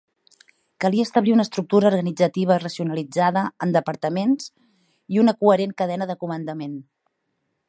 Calia establir una estructura organitzativa i racionalitzada en departaments i una coherent cadena de comandament.